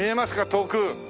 遠く。